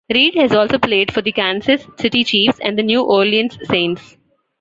Reed has also played for the Kansas City Chiefs and New Orleans Saints.